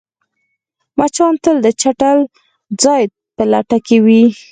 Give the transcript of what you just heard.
مچان تل د چټل ځای په لټه کې وي